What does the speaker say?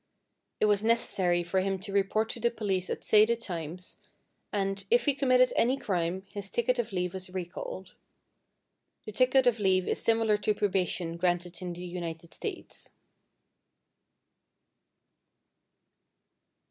It was necessary for him to report to the police at stated times, and, if he committed any crime, his ticket of leave was recalled. The ticket of leave is similar to probation granted in the United States.